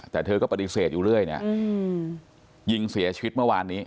แต่เธอก็ปฏิเสธอยู่เรื่อยเนี่ยยิงเสียชีวิตเมื่อวานนี้